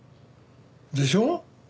でしょ？